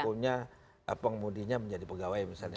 pelakunya pengemudinya menjadi pegawai misalnya